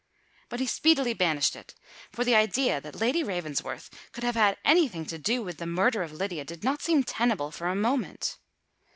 But he speedily banished it: for the idea that Lady Ravensworth could have had any thing to do with the murder of Lydia did not seem tenable for a moment.